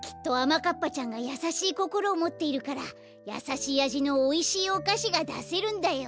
かっぱちゃんがやさしいこころをもっているからやさしいあじのおいしいおかしがだせるんだよ。